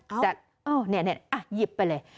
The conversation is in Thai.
อ้าวนี่อ่ะหยิบไปเลย